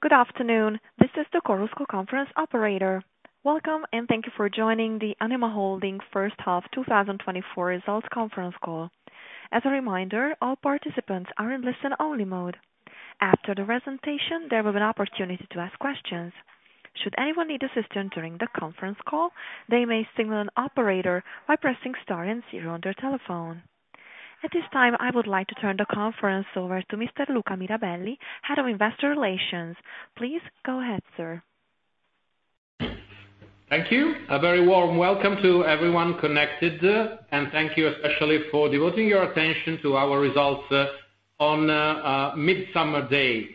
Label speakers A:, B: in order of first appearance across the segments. A: Good afternoon. This is the Chorus Call conference operator. Welcome, and thank you for joining the Anima Holding First Half 2024 Results Conference Call. As a reminder, all participants are in listen-only mode. After the presentation, there will be an opportunity to ask questions. Should anyone need assistance during the conference call, they may signal an operator by pressing star and zero on their telephone. At this time, I would like to turn the conference over to Mr. Luca Mirabelli, Head of Investor Relations. Please go ahead, sir.
B: Thank you. A very warm welcome to everyone connected, and thank you especially for devoting your attention to our results on Midsummer Day.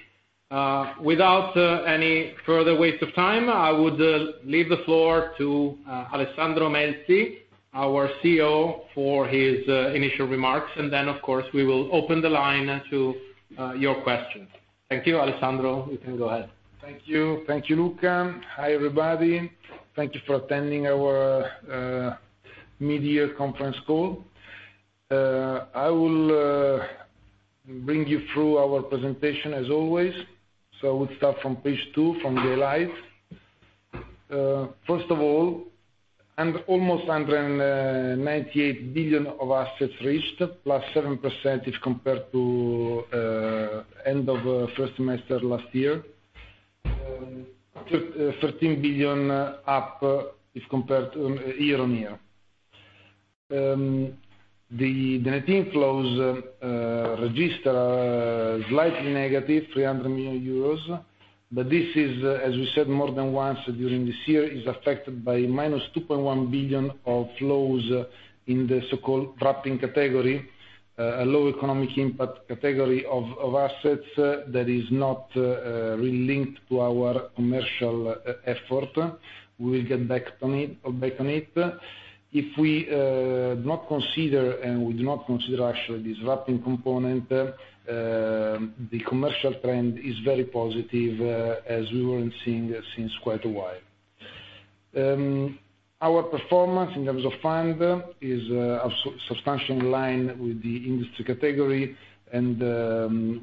B: Without any further waste of time, I would leave the floor to Alessandro Melzi d'Eril, our CEO, for his initial remarks, and then, of course, we will open the line to your questions. Thank you, Alessandro. You can go ahead.
C: Thank you. Thank you, Luca. Hi, everybody. Thank you for attending our mid-year conference call. I will bring you through our presentation, as always. So we'll start from page 2, from highlights. First of all, almost 198 billion of assets reached, +7% if compared to the end of the first semester last year, EUR 13 billion up if compared year-on-year. The net income flows register are slightly negative, 300 million euros, but this is, as we said more than once during this year, is affected by -2.1 billion of flows in the so-called wrapping category, a low economic impact category of assets that is not really linked to our commercial effort. We will get back on it. If we do not consider and we do not consider actually this wrapping component, the commercial trend is very positive, as we weren't seeing since quite a while. Our performance in terms of fund is substantially in line with the industry category, and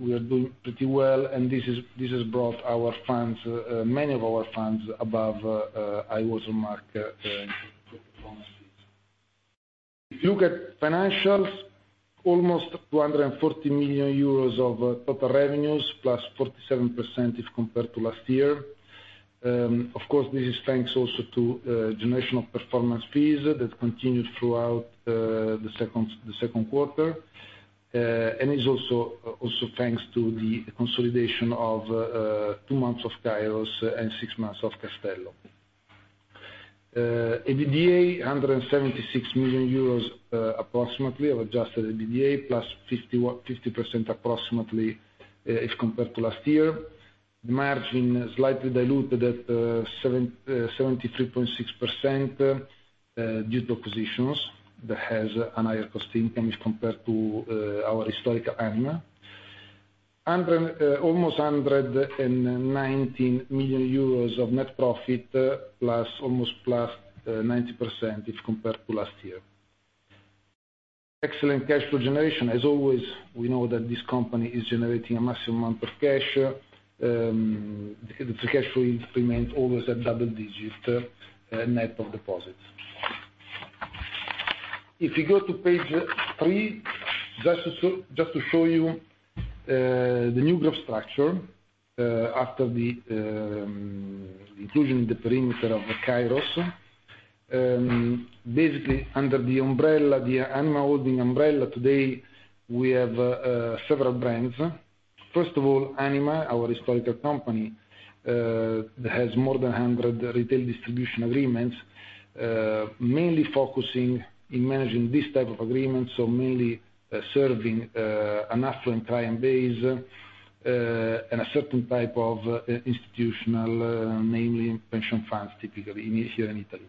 C: we are doing pretty well, and this has brought our funds, many of our funds, above high-water mark performance fees. If you look at financials, almost 240 million euros of total revenues, +47% if compared to last year. Of course, this is thanks also to generational performance fees that continued throughout the second quarter, and it's also thanks to the consolidation of two months of Kairos and six months of Castello. EBITDA, approximately EUR 176 million of Adjusted EBITDA, +50% approximately if compared to last year. The margin is slightly diluted at 73.6% due to acquisitions that has a higher cost/income if compared to our historical Anima. Almost 119 million euros of net profit, plus almost 90% if compared to last year. Excellent cash flow generation. As always, we know that this company is generating a massive amount of cash. The cash flow remains always at double-digit net of deposits. If you go to page three, just to show you the new growth structure after the inclusion in the perimeter of Kairos, basically under the umbrella, the Anima Holding umbrella, today we have several brands. First of all, Anima, our historical company, has more than 100 retail distribution agreements, mainly focusing in managing this type of agreements, so mainly serving an affluent client base and a certain type of institutional, namely pension funds, typically here in Italy.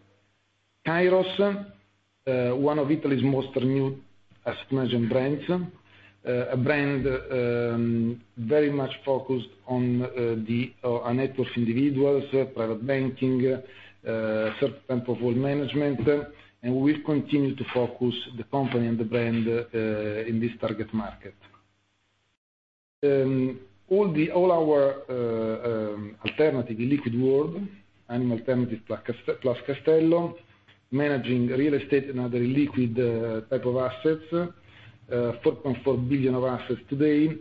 C: Kairos, one of Italy's most renowned asset management brands, a brand very much focused on high-net-worth individuals, private banking, certain type of wealth management, and we will continue to focus the company and the brand in this target market. All our alternative illiquid world, Anima Alternative plus Castello, managing real estate and other illiquid type of assets, 4.4 billion of assets today,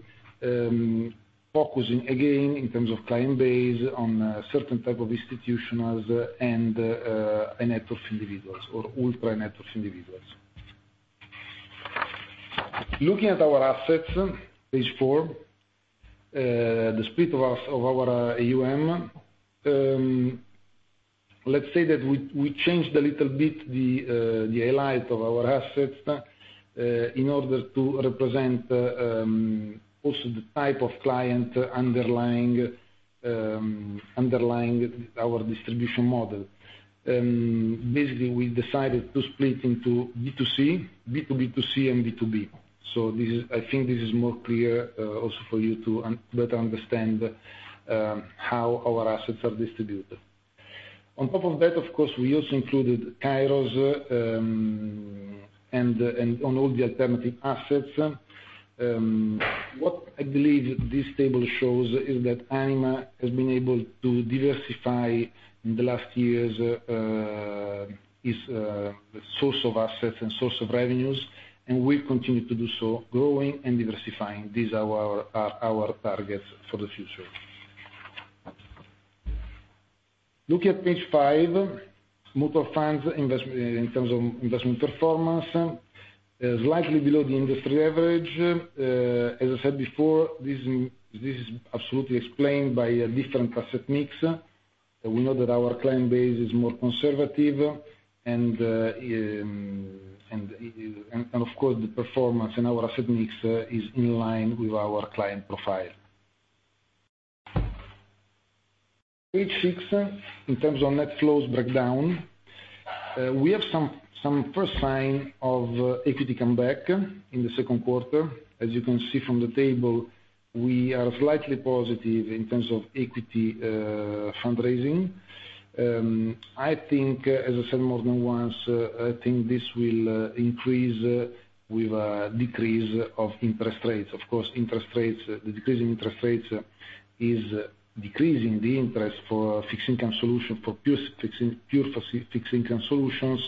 C: focusing again in terms of client base on certain type of institutionals and net worth individuals or ultra-net worth individuals. Looking at our assets, page 4, the split of our AUM, let's say that we changed a little bit the highlight of our assets in order to represent also the type of client underlying our distribution model. Basically, we decided to split into B2C, B2B2C, and B2B. So I think this is more clear also for you to better understand how our assets are distributed. On top of that, of course, we also included Kairos and all the alternative assets. What I believe this table shows is that Anima has been able to diversify in the last years its source of assets and source of revenues, and we continue to do so, growing and diversifying. These are our targets for the future. Looking at page 5, mutual funds in terms of investment performance, slightly below the industry average. As I said before, this is absolutely explained by a different asset mix. We know that our client base is more conservative, and of course, the performance in our asset mix is in line with our client profile. Page 6, in terms of net flows breakdown, we have some first sign of equity comeback in the second quarter. As you can see from the table, we are slightly positive in terms of equity fundraising. I think, as I said more than once, I think this will increase with a decrease of interest rates. Of course, the decrease in interest rates is decreasing the interest for fixed income solutions, for pure fixed income solutions,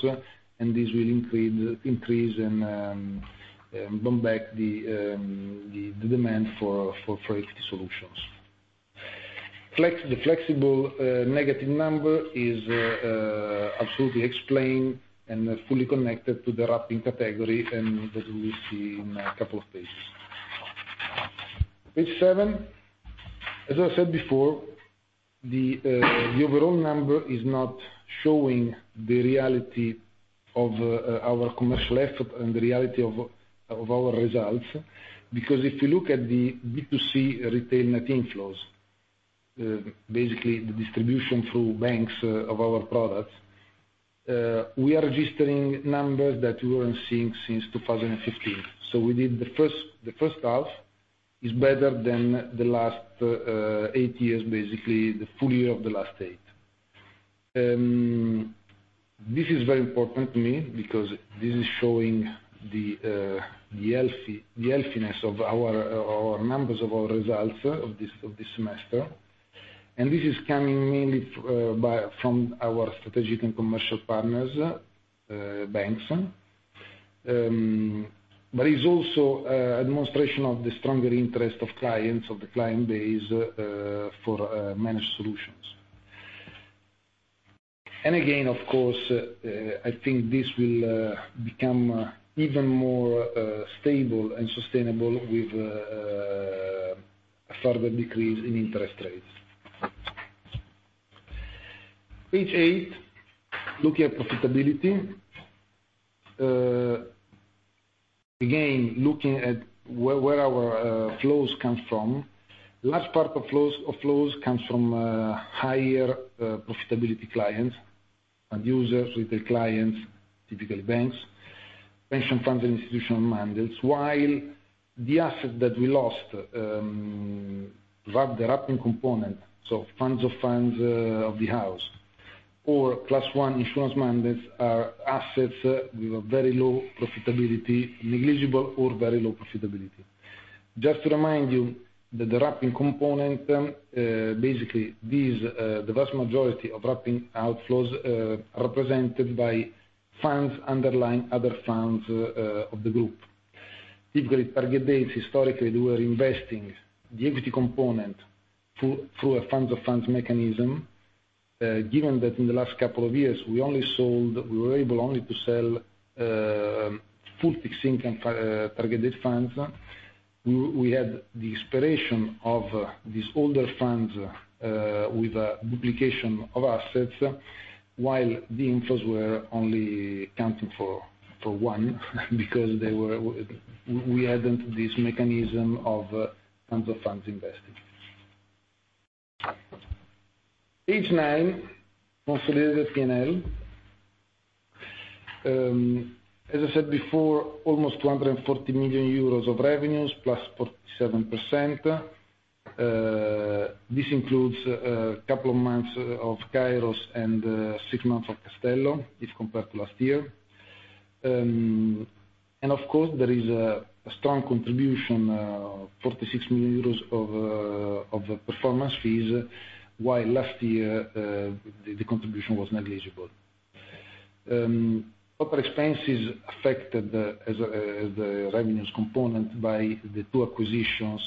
C: and this will increase and bounce back the demand for equity solutions. The flexible negative number is absolutely explained and fully connected to the wrapping category that we see in a couple of pages. Page seven, as I said before, the overall number is not showing the reality of our commercial effort and the reality of our results, because if you look at the B2C retail net inflows, basically the distribution through banks of our products, we are registering numbers that we weren't seeing since 2015. So we did the first half is better than the last eight years, basically the full year of the last eight. This is very important to me because this is showing the healthiness of our numbers of our results of this semester, and this is coming mainly from our strategic and commercial partners, banks, but it's also a demonstration of the stronger interest of clients, of the client base for managed solutions. Again, of course, I think this will become even more stable and sustainable with a further decrease in interest rates. Page 8, looking at profitability. Again, looking at where our flows come from, a large part of flows comes from higher profitability clients, end users, retail clients, typically banks, pension funds, and institutional mandates, while the assets that we lost, the wrapping component, so funds of funds of the house or Class I insurance mandates are assets with a very low profitability, negligible or very low profitability. Just to remind you that the wrapping component, basically the vast majority of wrapping outflows are represented by funds underlying other funds of the group. Typically, target dates historically they were investing. The equity component through a funds of funds mechanism, given that in the last couple of years we were able only to sell full fixed income targeted funds, we had the expiration of these older funds with a duplication of assets, while the inflows were only counting for one because we hadn't this mechanism of funds of funds investing. Page 9, consolidated P&L. As I said before, almost 240 million euros of revenues, plus 47%. This includes a couple of months of Kairos and six months of Castello if compared to last year. Of course, there is a strong contribution, 46 million euros of performance fees, while last year the contribution was negligible. Proper expenses affected the revenues component by the two acquisitions,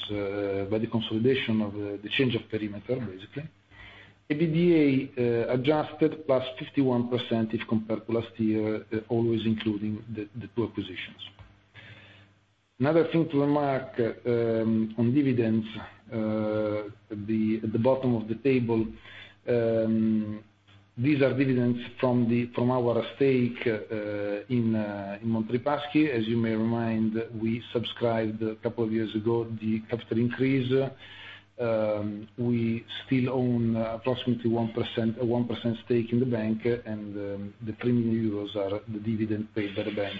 C: by the consolidation of the change of perimeter, basically. EBITDA adjusted +51% if compared to last year, always including the two acquisitions. Another thing to remark on dividends, at the bottom of the table, these are dividends from our stake in Monte Paschi. As you may remind, we subscribed a couple of years ago, the capital increase. We still own approximately 1% stake in the bank, and the 3 million euros are the dividend paid by the bank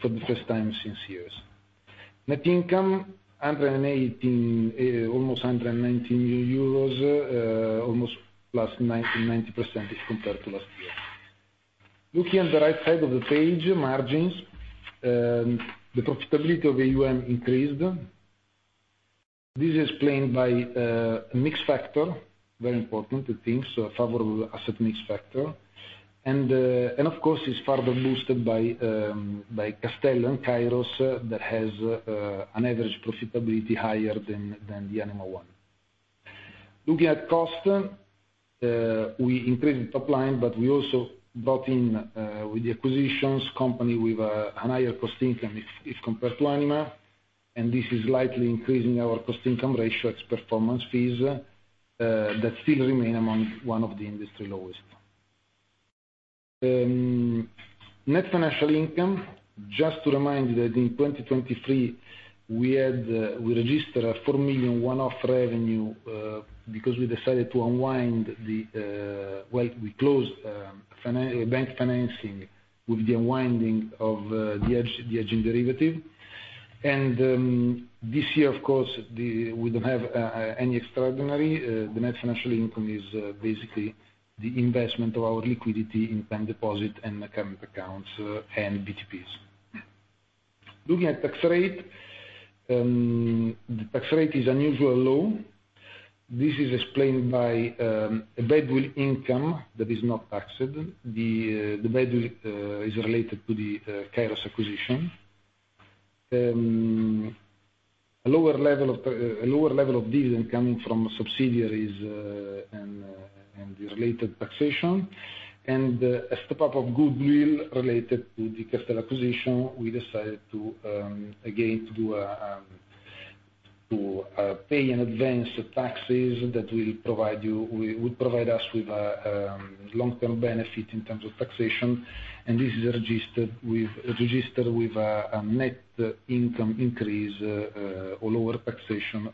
C: for the first time since years. Net income, almost 119 million euros, almost +90% if compared to last year. Looking at the right side of the page, margins, the profitability of AUM increased. This is explained by a mix factor, very important thing, so a favorable asset mix factor, and of course, it's further boosted by Castello and Kairos that has an average profitability higher than the Anima one. Looking at cost, we increased the top line, but we also brought in with the acquisitions company with a higher cost income if compared to Anima, and this is slightly increasing our cost income ratio at performance fees that still remain among one of the industry lowest. Net financial income, just to remind you that in 2023, we registered a 4 million one-off revenue because we decided to unwind the, well, we closed bank financing with the unwinding of the hedge and derivative. And this year, of course, we don't have any extraordinary. The net financial income is basically the investment of our illiquidity in bank deposit and current accounts and BTPs. Looking at tax rate, the tax rate is unusually low. This is explained by a badwill income that is not taxed. The badwill is related to the Kairos acquisition. A lower level of dividend coming from subsidiaries and the related taxation, and a step up of goodwill related to the Castello acquisition, we decided to, again, to pay in advance taxes that will provide us with a long-term benefit in terms of taxation, and this is registered with a net income increase or lower taxation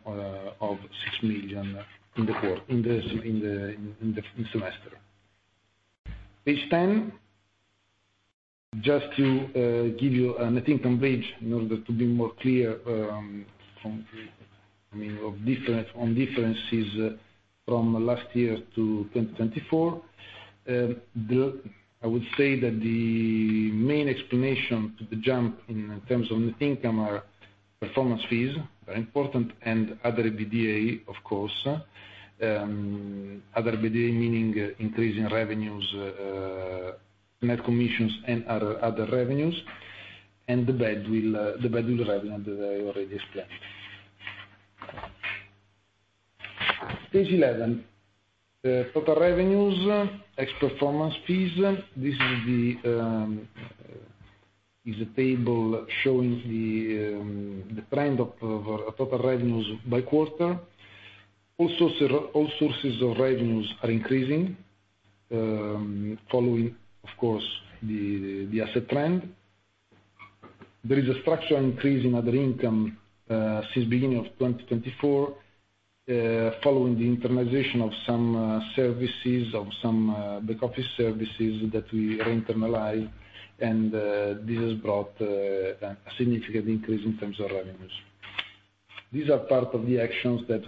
C: of 6 million in the quarter, in the semester. Page 10, just to give you a net income bridge in order to be more clear on differences from last year to 2024, I would say that the main explanation for the jump in terms of net income are performance fees, very important, and other EBITDA, of course. Other EBITDA, meaning increase in revenues, net commissions, and other revenues, and the badwill revenue that I already explained. Page 11, total revenues, ex performance fees. This is a table showing the trend of total revenues by quarter. All sources of revenues are increasing, following, of course, the asset trend. There is a structural increase in other income since beginning of 2024, following the internalization of some services, of some back office services that we re-internalized, and this has brought a significant increase in terms of revenues. These are part of the actions that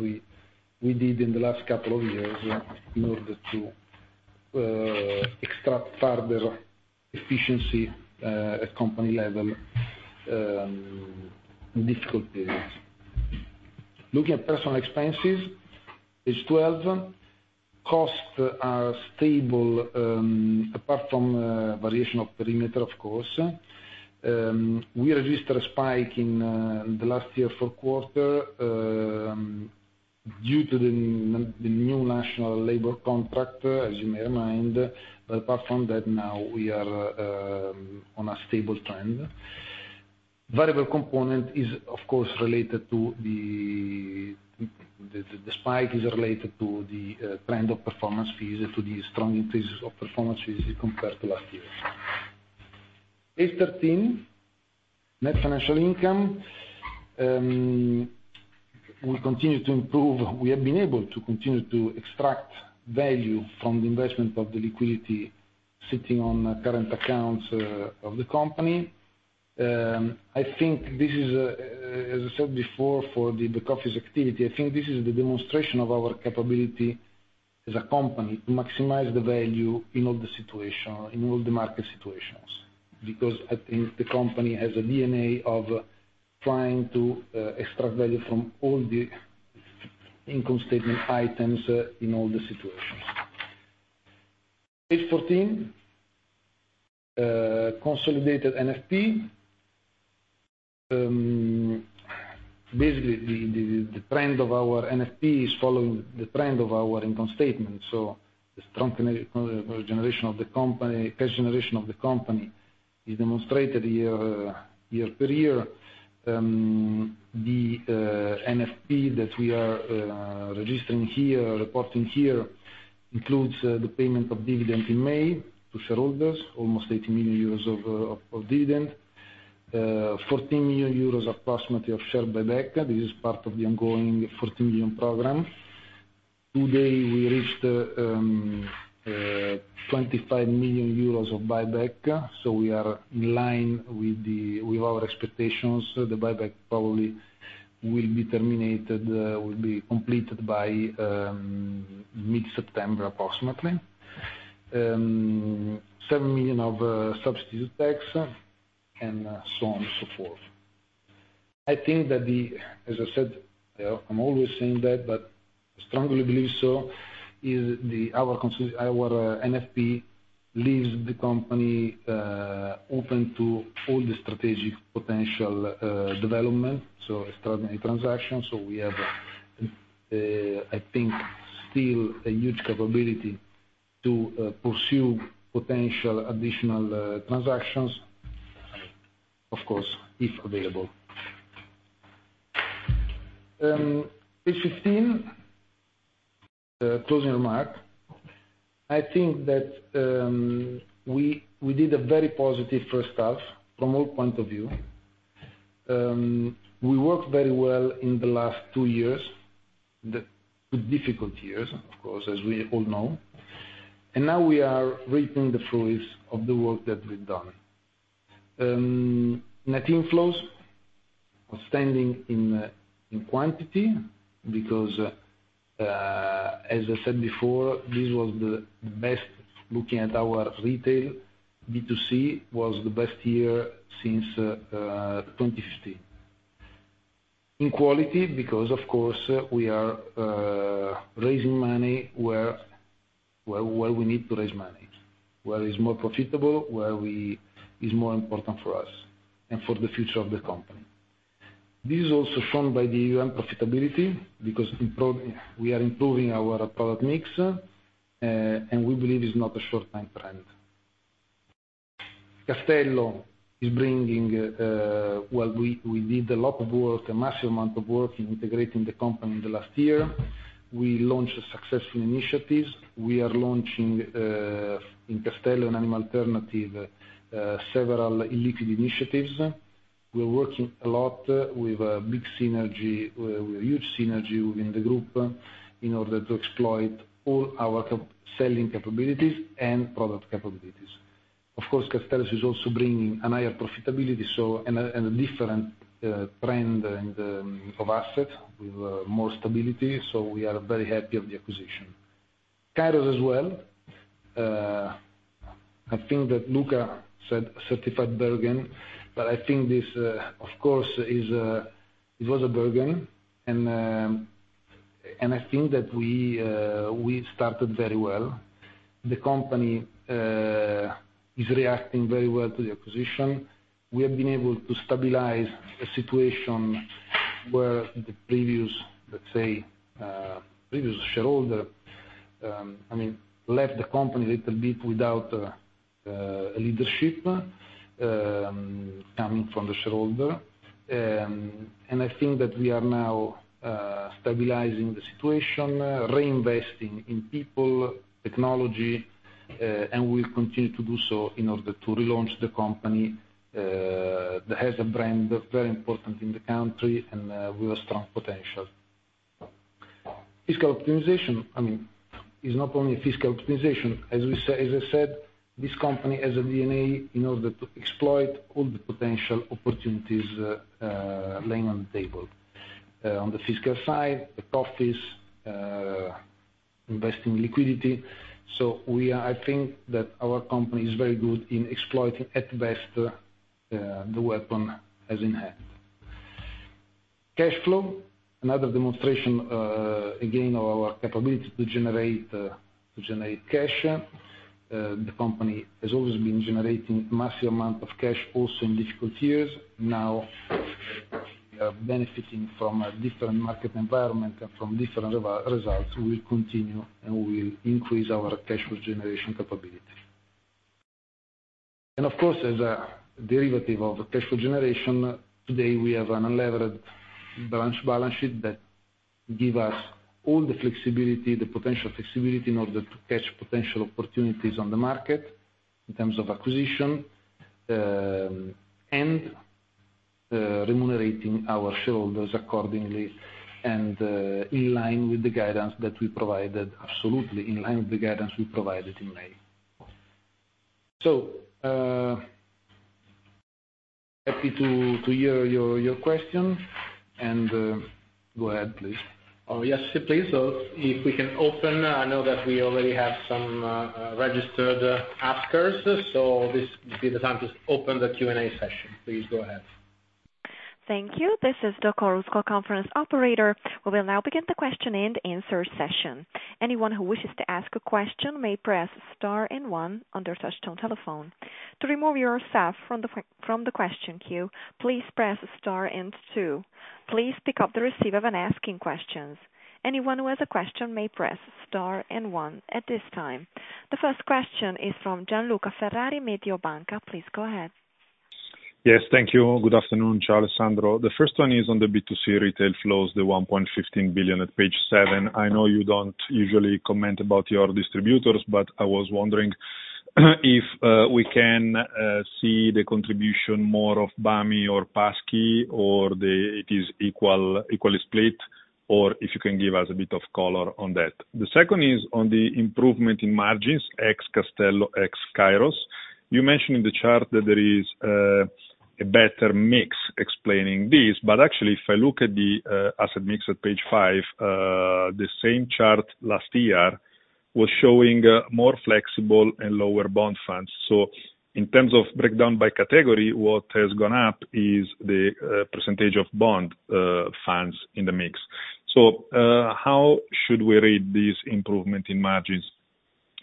C: we did in the last couple of years in order to extract further efficiency at company level in difficult periods. Looking at personnel expenses, page 12, costs are stable apart from variation of perimeter, of course. We registered a spike in the last year for quarter due to the new national labor contract, as you may remind, but apart from that, now we are on a stable trend. Variable component is, of course, related to the spike is related to the trend of performance fees, to the strong increases of performance fees compared to last year. Page 13, net financial income, we continue to improve. We have been able to continue to extract value from the investment of the illiquidity sitting on current accounts of the company. I think this is, as I said before, for the back office activity, I think this is the demonstration of our capability as a company to maximize the value in all the situations, in all the market situations, because I think the company has a DNA of trying to extract value from all the income statement items in all the situations. Page 14, consolidated NFP. Basically, the trend of our NFP is following the trend of our income statement, so the strong cash generation of the company is demonstrated year per year. The NFP that we are registering here, reporting here, includes the payment of dividend in May to shareholders, almost 80 million euros of dividend, approximately 14 million euros of share buyback. This is part of the ongoing 14 million program. Today, we reached 25 million euros of buyback, so we are in line with our expectations. The buyback probably will be terminated, will be completed by mid-September approximately. 7 million of substitute tax and so on and so forth. I think that the, as I said, I'm always saying that, but I strongly believe so, is our NFP leaves the company open to all the strategic potential development, so extraordinary transactions. So we have, I think, still a huge capability to pursue potential additional transactions, of course, if available. Page 15, closing remark. I think that we did a very positive first half from all points of view. We worked very well in the last two years, with difficult years, of course, as we all know, and now we are reaping the fruits of the work that we've done. Net inflows outstanding in quantity because, as I said before, this was the best looking at our retail B2C, was the best year since 2015. In quality, because, of course, we are raising money where we need to raise money, where it's more profitable, where it's more important for us and for the future of the company. This is also shown by the AUM profitability because we are improving our product mix, and we believe it's not a short-term trend. Castello is bringing, well, we did a lot of work, a massive amount of work in integrating the company in the last year. We launched successful initiatives. We are launching in Castello and Anima Alternative several ililliquid initiatives. We're working a lot with a big synergy, with a huge synergy within the group in order to exploit all our selling capabilities and product capabilities. Of course, Castello is also bringing a higher profitability and a different trend of assets with more stability, so we are very happy of the acquisition. Kairos as well. I think that Luca said Castello, but I think this, of course, it was a Castello, and I think that we started very well. The company is reacting very well to the acquisition. We have been able to stabilize a situation where the previous, let's say, previous shareholder, I mean, left the company a little bit without leadership coming from the shareholder. And I think that we are now stabilizing the situation, reinvesting in people, technology, and we'll continue to do so in order to relaunch the company that has a brand very important in the country and with a strong potential. Fiscal optimization, I mean, is not only fiscal optimization. As I said, this company has a DNA in order to exploit all the potential opportunities laying on the table, on the fiscal side, back office, investing in illiquidity. So, I think that our company is very good in exploiting at best the weapon as in hand. Cash flow, another demonstration again of our capability to generate cash. The company has always been generating a massive amount of cash also in difficult years. Now, benefiting from a different market environment and from different results, we will continue and we will increase our cash flow generation capability. And of course, as a derivative of cash flow generation, today we have an unleveraged balance sheet that gives us all the flexibility, the potential flexibility in order to catch potential opportunities on the market in terms of acquisition and remunerating our shareholders accordingly and in line with the guidance that we provided, absolutely in line with the guidance we provided in May. So happy to hear your question, and go ahead, please.
B: Yes, please. So if we can open, I know that we already have some registered askers, so this would be the time to open the Q&A session. Please go ahead.
A: Thank you. This is conference operator. We will now begin the question and answer session. Anyone who wishes to ask a question may press star and one on your touch-tone telephone. To remove yourself from the question queue, please press star and two. Please pick up the receiver when asking questions. Anyone who has a question may press star and one at this time. The first question is from Gianluca Ferrari, Mediobanca. Please go ahead.
D: Yes, thank you. Good afternoon, Ciao Alessandro. The first one is on the B2C retail flows, the 1.15 billion at page 7. I know you don't usually comment about your distributors, but I was wondering if we can see the contribution more of BAMI or Paschi, or it is equally split, or if you can give us a bit of color on that. The second is on the improvement in margins ex Castello ex Kairos. You mentioned in the chart that there is a better mix explaining this, but actually, if I look at the asset mix at page 5, the same chart last year was showing more flexible and lower bond funds. So in terms of breakdown by category, what has gone up is the percentage of bond funds in the mix. So how should we read this improvement in margins?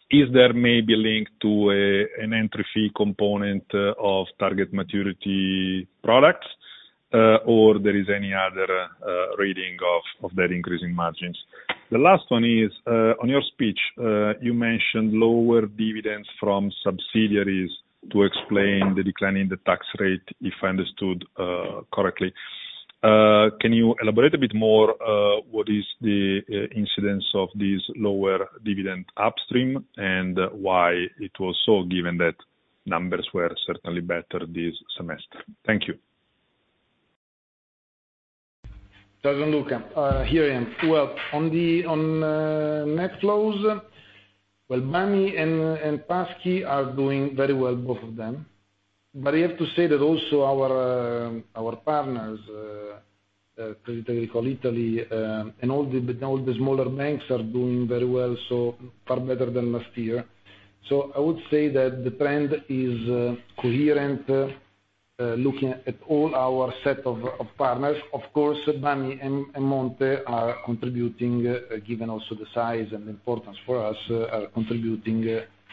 D: Is there maybe link to an entry fee component of target maturity products, or there is any other reading of that increase in margins? The last one is, on your speech, you mentioned lower dividends from subsidiaries to explain the decline in the tax rate, if I understood correctly. Can you elaborate a bit more what is the incidence of this lower dividend upstream and why it was so, given that numbers were certainly better this semester? Thank you.
C: Ciao Gianluca. Here I am. Well, on net flows, well, BAMI and Paschi are doing very well, both of them. But I have to say that also our partners, Crédit Agricole Italy and all the smaller banks are doing very well, so far better than last year. So I would say that the trend is coherent looking at all our set of partners. Of course, BAMI and Monte are contributing, given also the size and the importance for us, are contributing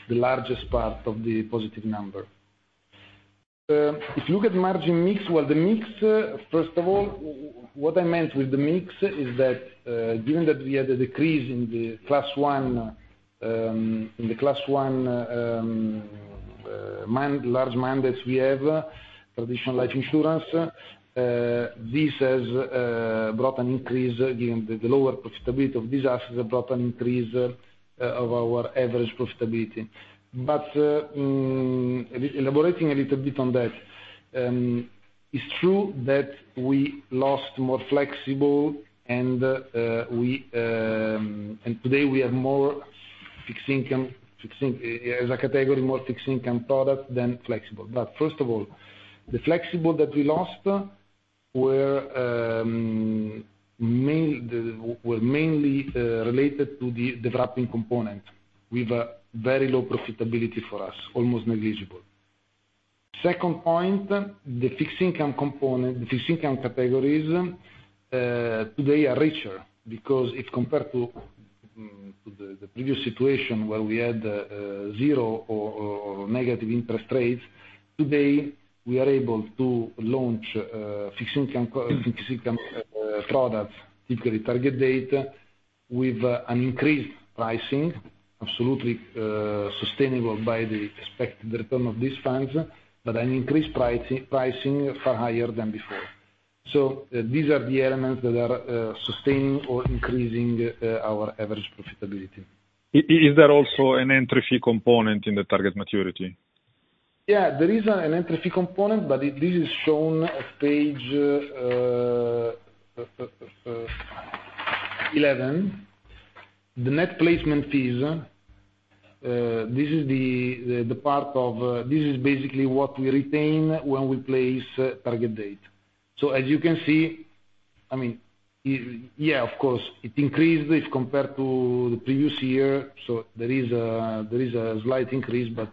C: the largest part of the positive number. If you look at margin mix, well, the mix, first of all, what I meant with the mix is that given that we had a decrease in the Class I large mandates we have, traditional life insurance, this has brought an increase given the lower profitability of these assets that brought an increase of our average profitability. But elaborating a little bit on that, it's true that we lost more flexible and today we have more fixed income as a category, more fixed income product than flexible. But first of all, the flexible that we lost were mainly related to the wrapping component with a very low profitability for us, almost negligible. Second point, the fixed income component, the fixed income categories today are richer because if compared to the previous situation where we had zero or negative interest rates, today we are able to launch fixed income products, typically target date with an increased pricing, absolutely sustainable by the expected return of these funds, but an increased pricing far higher than before. So these are the elements that are sustaining or increasing our average profitability.
D: Is there also an entry fee component in the target maturity?
C: Yeah, there is an entry fee component, but this is shown at page 11. The net placement fees, this is the part of this is basically what we retain when we place target date. So as you can see, I mean, yeah, of course, it increased if compared to the previous year, so there is a slight increase, but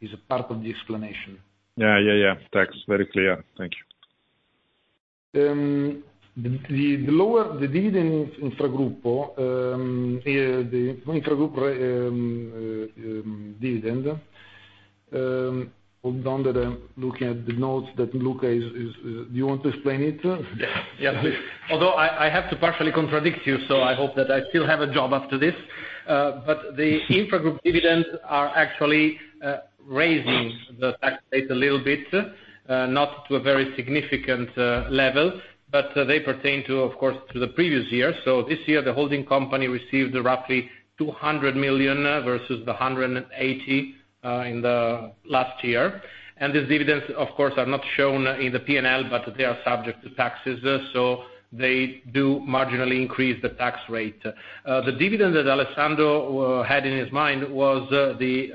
C: it's a part of the explanation.
D: Yeah, yeah, yeah. That's very clear. Thank you. The dividend infragruppo, the infragruppo dividend, hold on, that I'm looking at the notes that Luca is. Do you want to explain it?
B: Yes, please. Although I have to partially contradict you, so I hope that I still have a job after this. But the infragruppo dividends are actually raising the tax rate a little bit, not to a very significant level, but they pertain to, of course, to the previous year. So this year, the holding company received roughly 200 million versus the 180 million in the last year. And these dividends, of course, are not shown in the P&L, but they are subject to taxes, so they do marginally increase the tax rate. The dividend that Alessandro had in his mind was the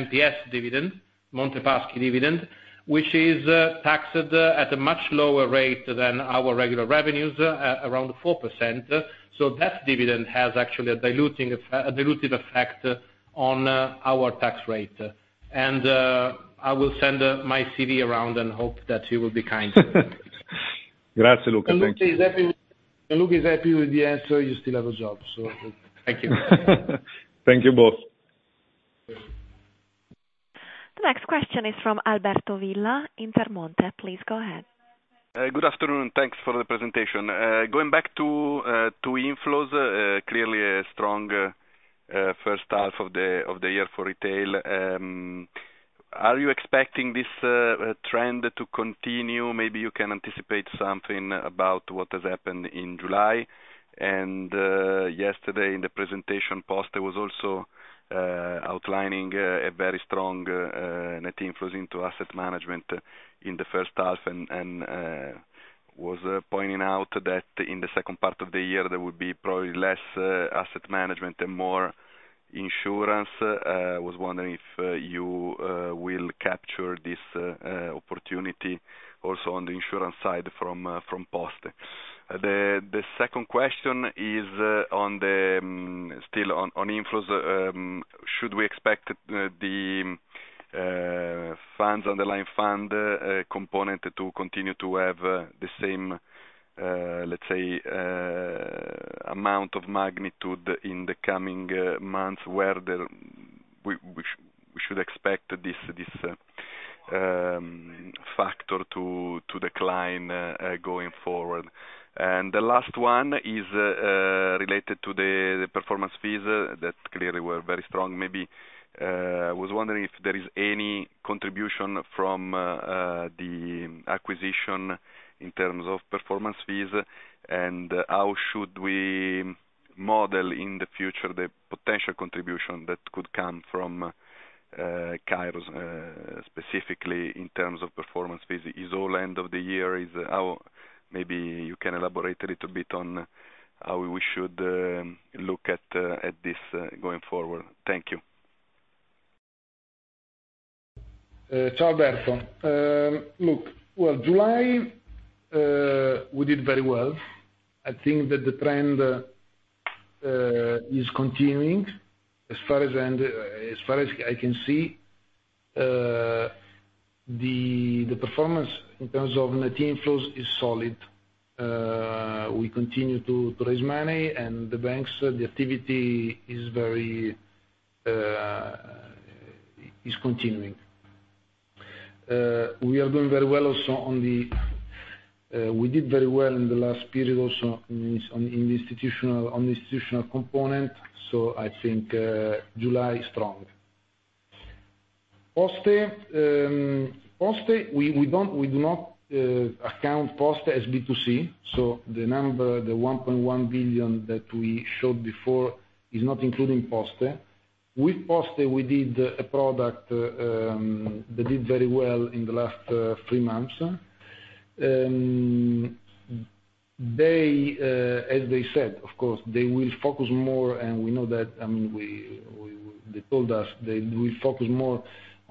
B: MPS dividend, Monte Paschi dividend, which is taxed at a much lower rate than our regular revenues, around 4%. So that dividend has actually a diluting effect on our tax rate. I will send my CV around and hope that you will be kind.
E: Grazie, Luca.
B: Gianluca is happy with the answer. You still have a job, so thank you.
E: Thank you both.
A: The next question is from Alberto Villa, Intermonte. Please go ahead.
F: Good afternoon. Thanks for the presentation. Going back to inflows, clearly a strong first half of the year for retail. Are you expecting this trend to continue? Maybe you can anticipate something about what has happened in July. And yesterday, in the presentation Poste, I was also outlining a very strong net inflows into asset management in the first half and was pointing out that in the second part of the year, there will be probably less asset management and more insurance. I was wondering if you will capture this opportunity also on the insurance side from Poste. The second question is still on inflows. Should we expect the funds underlying fund component to continue to have the same, let's say, amount of magnitude in the coming months where we should expect this factor to decline going forward? And the last one is related to the performance fees that clearly were very strong. Maybe I was wondering if there is any contribution from the acquisition in terms of performance fees and how should we model in the future the potential contribution that could come from Kairos specifically in terms of performance fees? Is all end of the year? Maybe you can elaborate a little bit on how we should look at this going forward. Thank you.
C: Ciao Alberto. Look, well, July we did very well. I think that the trend is continuing. As far as I can see, the performance in terms of net inflows is solid. We continue to raise money and the banks, the activity is continuing. We are doing very well also on the we did very well in the last period also on the institutional component, so I think July is strong. Poste, we do not account Poste as B2C, so the number, the 1.1 billion that we showed before is not including Poste. With Poste, we did a product that did very well in the last three months. As they said, of course, they will focus more and we know that, I mean, they told us they will focus more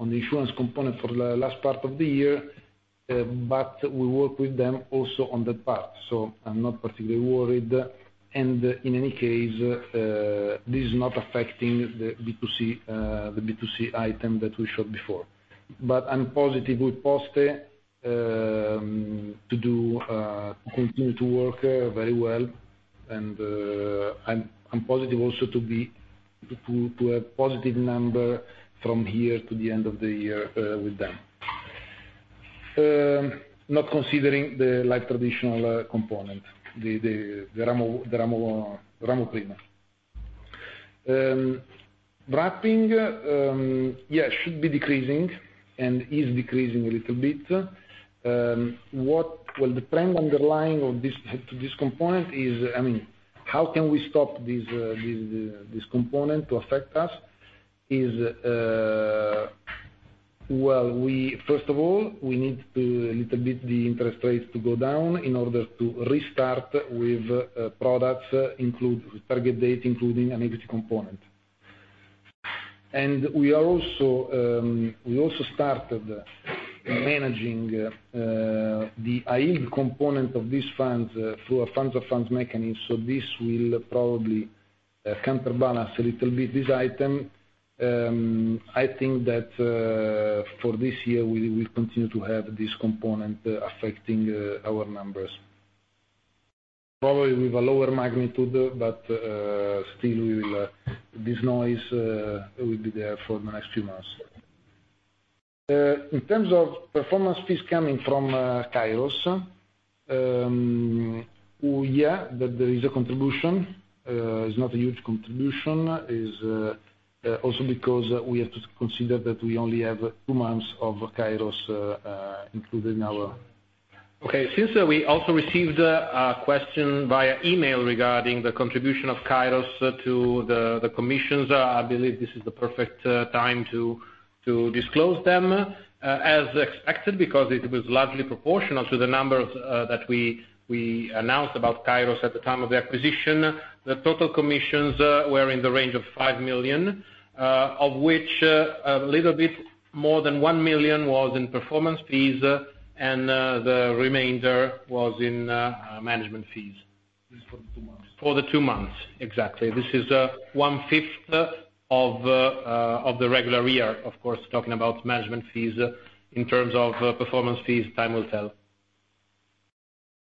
C: on the insurance component for the last part of the year, but we work with them also on that part, so I'm not particularly worried. In any case, this is not affecting the B2C item that we showed before. But I'm positive with Poste to continue to work very well and I'm positive also to have a positive number from here to the end of the year with them. Not considering the life traditional component, the Ramo Primo. Wrapping, yeah, should be decreasing and is decreasing a little bit. Well, the trend underlying to this component is, I mean, how can we stop this component to affect us is, well, first of all, we need a little bit the interest rate to go down in order to restart with products target date including an equity component. And we also started managing the AIF component of these funds through a funds of funds mechanism, so this will probably counterbalance a little bit this item. I think that for this year, we will continue to have this component affecting our numbers. Probably with a lower magnitude, but still, this noise will be there for the next few months. In terms of performance fees coming from Kairos, yeah, that there is a contribution. It's not a huge contribution. It's also because we have to consider that we only have 2 months of Kairos included in our.
B: Okay. Since we also received a question via email regarding the contribution of Kairos to the commissions, I believe this is the perfect time to disclose them. As expected, because it was largely proportional to the numbers that we announced about Kairos at the time of the acquisition, the total commissions were in the range of 5 million, of which a little bit more than 1 million was in performance fees and the remainder was in management fees. This is for the two months. For the two months, exactly. This is one fifth of the regular year, of course, talking about management fees. In terms of performance fees, time will tell.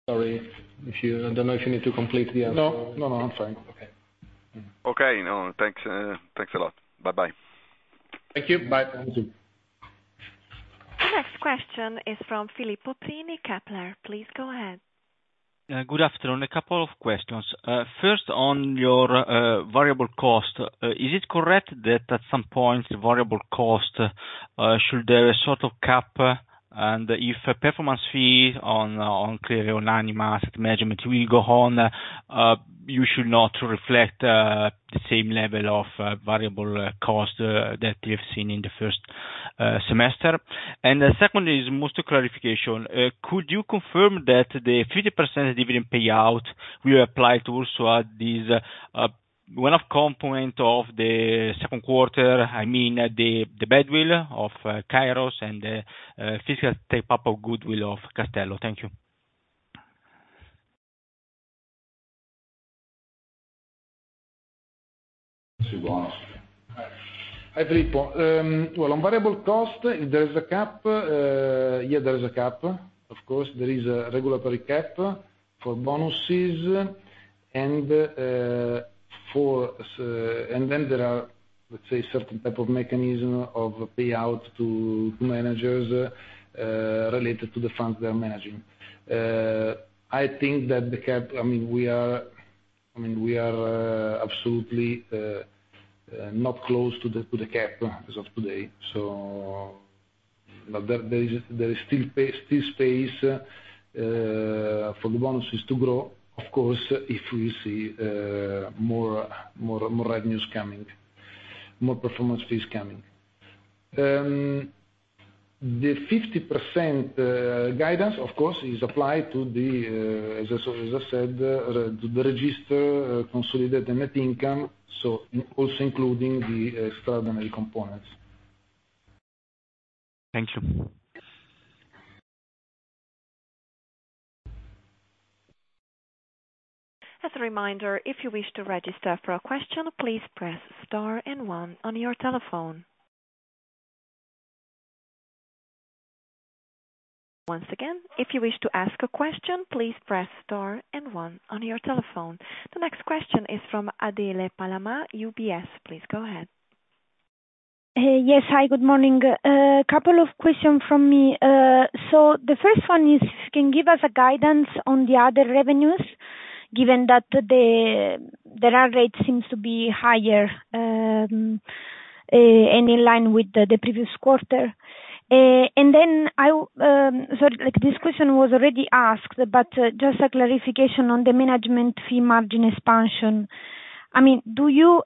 B: Sorry. I don't know if you need to complete the answer.
F: No, no, no. I'm fine. Okay. Okay. No,
C: thanks a lot. Bye-bye.
F: Thank you. Bye.
B: Thank you.
A: The next question is from Filippo Prini, Kepler. Please go ahead.
G: Good afternoon. A couple of questions. First, on your variable cost, is it correct that at some point, variable cost, should there be a sort of cap? And if performance fees on clearly on annual asset management will go on, you should not reflect the same level of variable cost that you've seen in the first semester? And the second is most clarification. Could you confirm that the 50% dividend payout will apply to also these one-off component of the second quarter, I mean, the badwill of Kairos and the fiscal take-up of goodwill of Castello? Thank you.
C: Thank you very much. Hi, Filippo. Well, on variable cost, if there is a cap, yeah, there is a cap. Of course, there is a regulatory cap for bonuses and then there are, let's say, certain type of mechanism of payout to managers related to the funds they're managing. I think that the cap, I mean, we are absolutely not close to the cap as of today. So there is still space for the bonuses to grow, of course, if we see more revenues coming, more performance fees coming. The 50% guidance, of course, is applied to the, as I said, the recurring consolidated net income, so also including the extraordinary components.
G: Thank you.
A: As a reminder, if you wish to register for a question, please press star and one on your telephone. Once again, if you wish to ask a question, please press star and one on your telephone. The next question is from Adele Palamà, UBS. Please go ahead.
H: Yes. Hi, good morning. A couple of questions from me. So the first one is, if you can give us a guidance on the other revenues, given that the run rate seems to be higher and in line with the previous quarter. And then, sorry, this question was already asked, but just a clarification on the management fee margin expansion. I mean, do you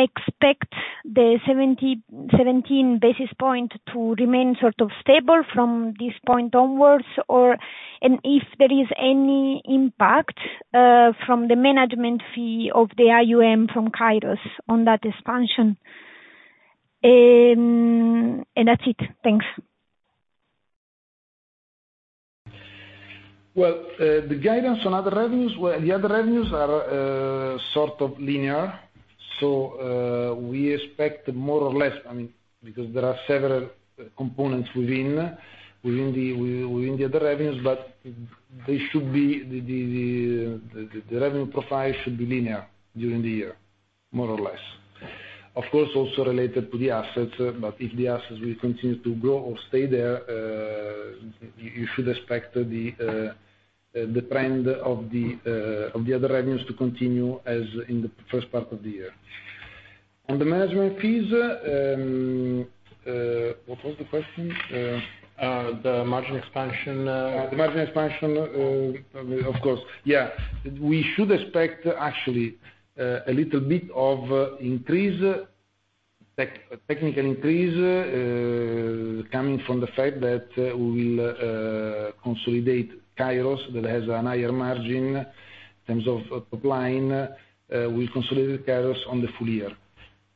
H: expect the 17 basis point to remain sort of stable from this point onwards, or if there is any impact from the management fee of the AUM from Kairos on that expansion? And that's it. Thanks.
C: Well, the guidance on other revenues, the other revenues are sort of linear. So we expect more or less, I mean, because there are several components within the other revenues, but they should be the revenue profile should be linear during the year, more or less. Of course, also related to the assets, but if the assets will continue to grow or stay there, you should expect the trend of the other revenues to continue as in the first part of the year. On the management fees, what was the question? The margin expansion. The margin expansion, of course. Yeah. We should expect actually a little bit of increase, technical increase coming from the fact that we will consolidate Kairos that has a higher margin in terms of top line. We'll consolidate Kairos on the full year.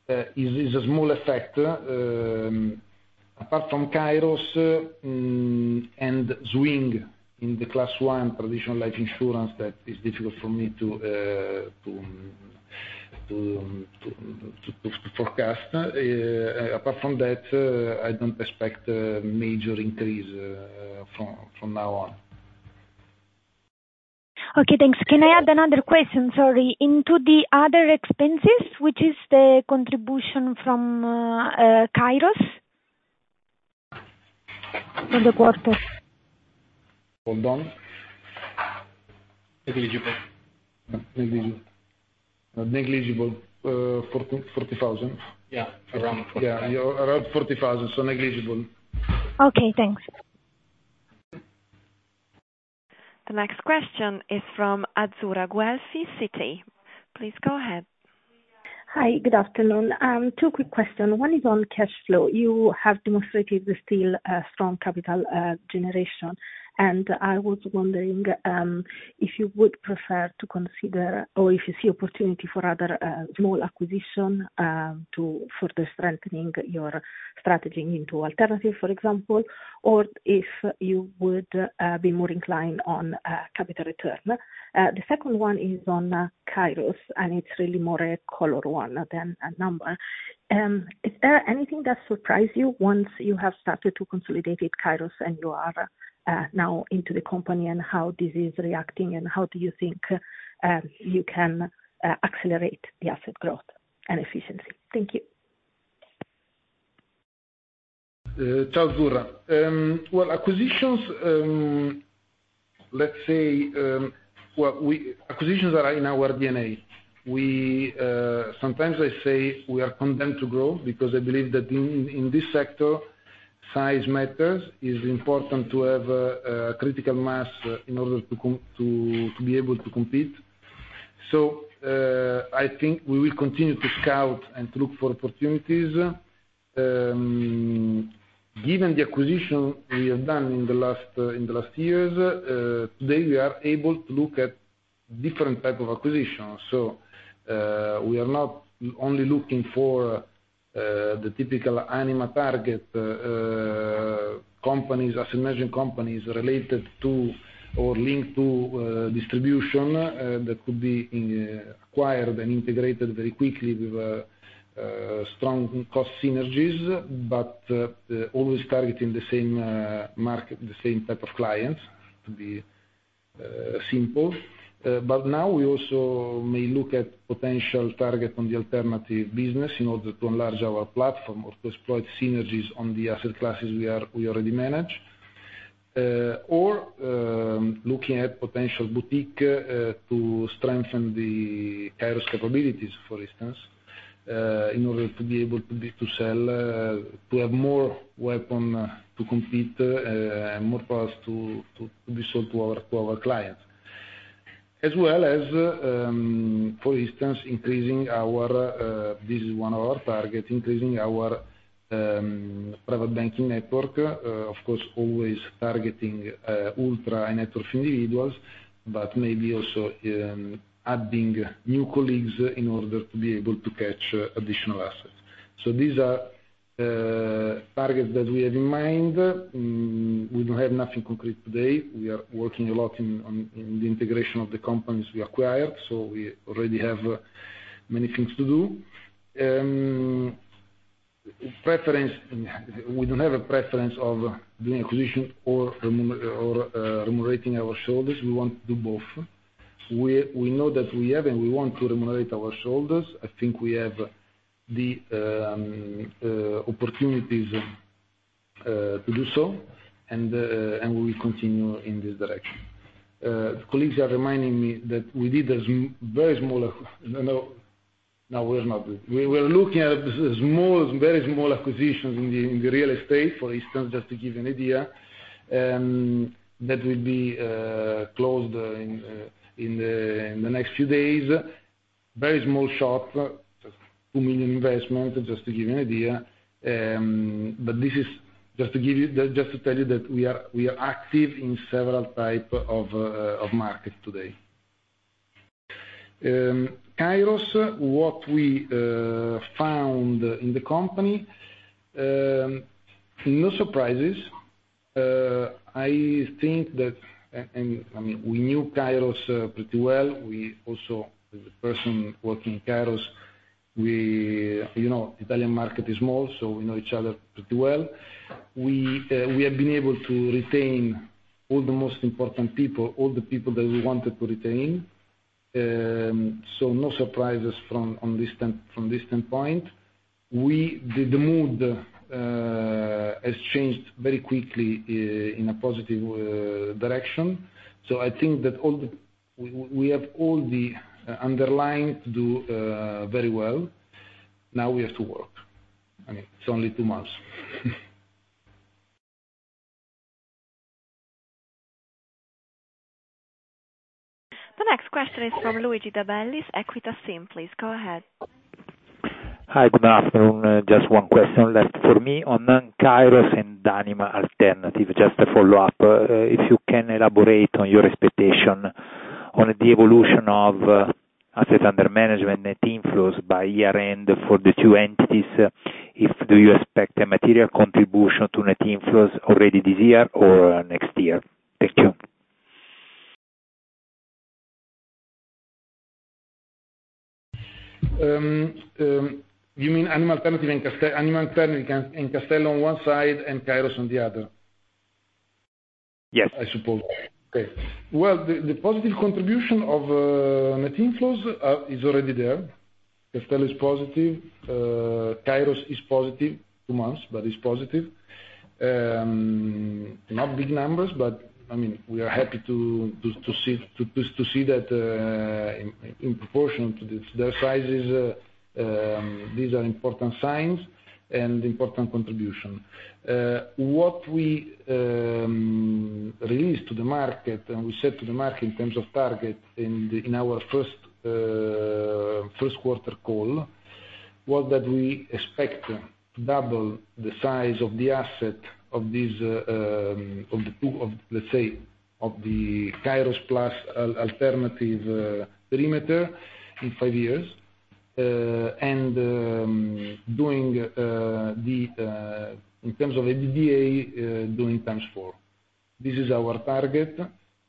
C: It's a small effect. Apart from Kairos and swing in the class one traditional life insurance, that is difficult for me to forecast. Apart from that, I don't expect a major increase from now on.
H: Okay. Thanks. Can I add another question? Sorry. Into the other expenses, which is the contribution from Kairos for the quarter?
C: Hold on. Negligible. Negligible. Negligible. 40,000.
B: Yeah.
C: Around 40,000. Yeah. Around 40,000. So negligible.
H: Okay. Thanks.
A: The next question is from Azzurra Guelfi, Citi. Please go ahead.
I: Hi. Good afternoon. Two quick questions. One is on cash flow. You have demonstrated still strong capital generation, and I was wondering if you would prefer to consider or if you see opportunity for other small acquisitions for the strengthening of your strategy into alternative, for example, or if you would be more inclined on capital return. The second one is on Kairos, and it's really more a color one than a number. Is there anything that surprised you once you have started to consolidate Kairos and you are now into the company and how this is reacting, and how do you think you can accelerate the asset growth and efficiency? Thank you.
C: Ciao, Azzurra. Well, acquisitions, let's say, acquisitions are in our DNA. Sometimes I say we are condemned to grow because I believe that in this sector, size matters. It's important to have a critical mass in order to be able to compete. So I think we will continue to scout and to look for opportunities. Given the acquisition we have done in the last years, today we are able to look at different types of acquisitions. So we are not only looking for the typical annual target companies, asset management companies related to or linked to distribution that could be acquired and integrated very quickly with strong cost synergies, but always targeting the same market, the same type of clients. To be simple. But now we also may look at potential target on the alternative business in order to enlarge our platform or to exploit synergies on the asset classes we already manage, or looking at potential boutique to strengthen the Kairos capabilities, for instance, in order to be able to sell, to have more weapon to compete, more products to be sold to our clients. As well as, for instance, increasing our—this is one of our targets—increasing our private banking network, of course, always targeting ultra-high-net-worth individuals, but maybe also adding new colleagues in order to be able to catch additional assets. So these are targets that we have in mind. We don't have nothing concrete today. We are working a lot on the integration of the companies we acquired, so we already have many things to do. We don't have a preference of doing acquisition or remunerating our shareholders. We want to do both. We know that we have and we want to remunerate our shareholders. I think we have the opportunities to do so, and we will continue in this direction. Colleagues are reminding me that we did a very small—no, we're not. We're looking at very small acquisitions in the real estate, for instance, just to give you an idea, that will be closed in the next few days. Very small shop, just 2 million investment, just to give you an idea. But this is just to tell you that we are active in several types of markets today. Kairos, what we found in the company, no surprises. I think that, I mean, we knew Kairos pretty well. We also—as a person working in Kairos, we know the Italian market is small, so we know each other pretty well. We have been able to retain all the most important people, all the people that we wanted to retain. So no surprises from this standpoint. The mood has changed very quickly in a positive direction. So I think that we have all the underlying to do very well. Now we have to work. I mean, it's only two months.
A: The next question is Luigi De Bellis, Equita SIM. please go ahead.
J: Hi. Good afternoon. Just one question left for me on Kairos and Anima Alternative. Just a follow-up. If you can elaborate on your expectation on the evolution of assets under management net inflows by year-end for the two entities, do you expect a material contribution to net inflows already this year or next year? Thank you.
C: You mean Anima Alternative and Castello on one side and Kairos on the other?
J: Yes. I suppose. Okay.
C: Well, the positive contribution of net inflows is already there. Castello is positive. Kairos is positive. Two months, but it's positive. Not big numbers, but I mean, we are happy to see that in proportion to their sizes. These are important signs and important contributions. What we released to the market and we said to the market in terms of target in our first quarter call was that we expect to double the size of the asset of these, let's say, of the Kairos plus alternative perimeter in five years and doing the, in terms of EBITDA, doing times four. This is our target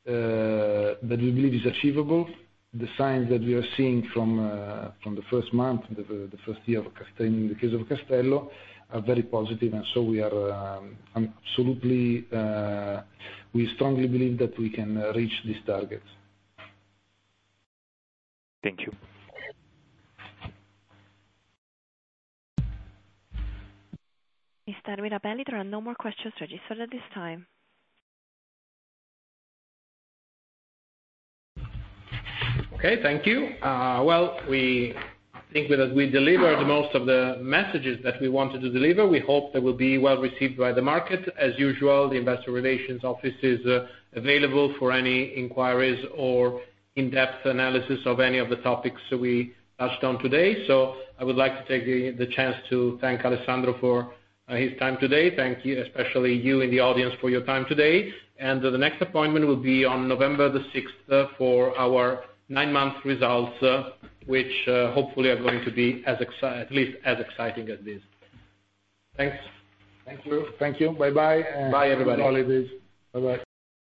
C: that we believe is achievable. The signs that we are seeing from the first month, the first year of the case of Castello are very positive, and so we are absolutely, we strongly believe that we can reach these targets.
J: Thank you.
A: Mr. Luca Mirabelli, there are no more questions registered at this time.
B: Okay. Thank you. Well, we think that we delivered most of the messages that we wanted to deliver. We hope they will be well received by the market. As usual, the investor relations office is available for any inquiries or in-depth analysis of any of the topics we touched on today. So I would like to take the chance to thank Alessandro for his time today. Thank you, especially you in the audience, for your time today. And the next appointment will be on November the 6th for our nine-month results, which hopefully are going to be at least as exciting as this. Thanks.
C: Thank you.
B: Thank you. Bye-bye. Bye, everybody. Happy holidays. Bye-bye.